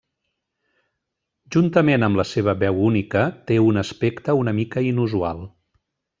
Juntament amb la seva veu única, té un aspecte una mica inusual.